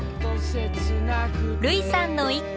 類さんの一句。